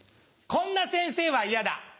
こんな先生は嫌だ。